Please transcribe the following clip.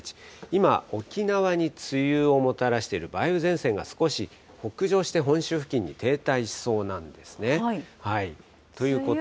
今、沖縄に梅雨をもたらしている梅雨前線が少し北上して本州付近梅雨はまだですよね。